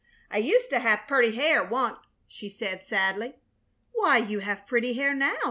"I useta have purty hair onct," she said, sadly. "Why, you have pretty hair now!"